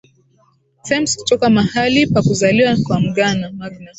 Thames kutoka mahali pa kuzaliwa kwa Magna